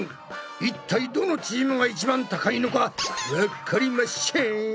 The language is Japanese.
いったいどのチームが一番高いのかわっかりましぇん。